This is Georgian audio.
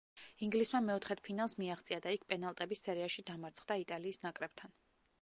ინგლისმა მეოთხედფინალს მიაღწია და იქ პენალტების სერიაში დამარცხდა იტალიის ნაკრებთან.